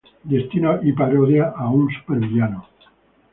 Destino y parodiar a un supervillano.